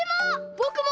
ぼくも！